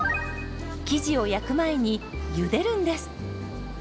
生地を焼く前にゆでるんです。